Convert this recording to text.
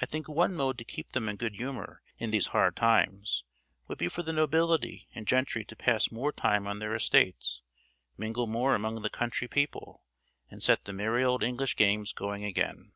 I think one mode to keep them in good humour in these hard times would be for the nobility and gentry to pass more time on their estates, mingle more among the country people, and set the merry old English games going again."